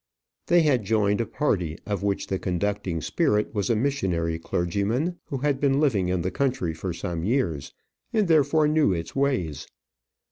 They had joined a party of which the conducting spirit was a missionary clergyman, who had been living in the country for some years, and therefore knew its ways.